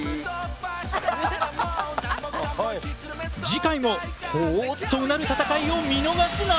次回もほぉっとうなる戦いを見逃すな。